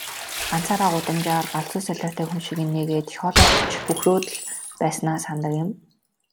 Ганцаараа гудамжаар галзуу солиотой хүн шиг инээгээд, шоолоод ч хөхрөөд л байснаа санадаг юм.